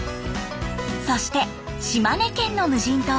そして島根県の無人島へ。